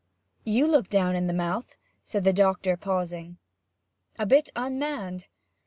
'You look down in the mouth?' said the doctor, pausing. 'A bit unmanned.